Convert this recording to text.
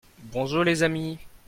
bonjour les amis.